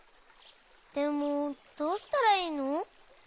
でもどうしたらいいの？